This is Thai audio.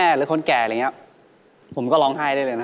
จริง